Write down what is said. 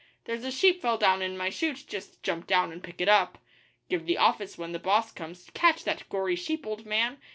'There's a sheep fell down in my shoot just jump down and pick it up.' 'Give the office when the boss comes.' 'Catch that gory sheep, old man.